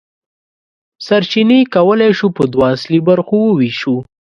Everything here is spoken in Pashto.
سرچینې کولی شو په دوه اصلي برخو وویشو.